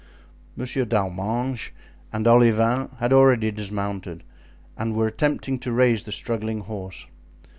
Monsieur d'Arminges and Olivain had already dismounted and were attempting to raise the struggling horse.